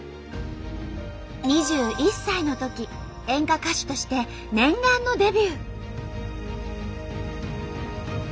２１歳のとき演歌歌手として念願のデビュー。